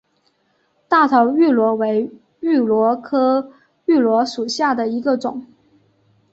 大头芋螺为芋螺科芋螺属下的一个种。